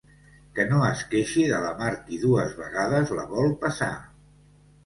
Que no es queixi de la mar qui dues vegades la vol passar.